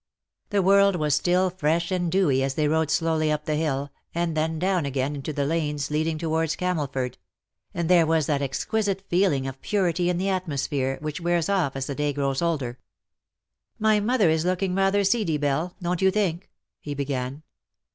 The world was still fresh and dewy as they rode slowly up the hill, and then down again into the lanes leading towards Camelford ; and there was that exquisite feeling of purity in the atmosphere which wears off as the day grows older. ^^ My mother is looking rather seedy, Belle, don't you think /^ he began.